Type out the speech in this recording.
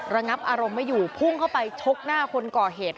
ระงับอารมณ์ไม่อยู่พุ่งเข้าไปชกหน้าคนก่อเหตุ